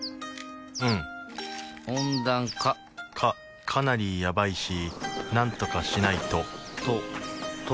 うん温暖化かかなりやばいしなんとかしないとと解けちゃうね